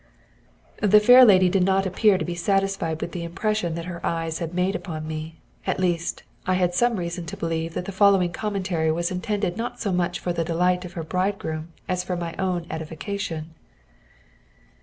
The fair lady did not appear to be satisfied with the impression that her eyes had made upon me; at least, I had some reason to believe that the following commentary was intended not so much for the delight of her bridegroom as for my own edification.